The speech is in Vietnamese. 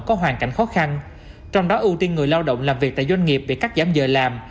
có hoàn cảnh khó khăn trong đó ưu tiên người lao động làm việc tại doanh nghiệp bị cắt giảm giờ làm